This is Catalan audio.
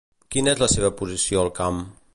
Quina és la seva posició al camp?